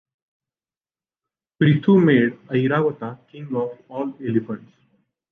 Prithu made Airavata king of all elephants.